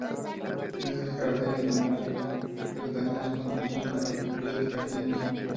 Desde el jardín, unos peldaños conducen a la capilla del castillo.